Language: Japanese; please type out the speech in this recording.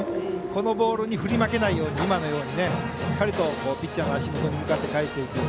このボールに振り負けないように今のようにしっかりとピッチャーの足元に向かって返していく。